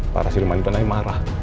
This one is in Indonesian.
para siluman itu nanti marah